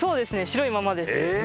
白いままです。